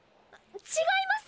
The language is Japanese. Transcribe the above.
違います！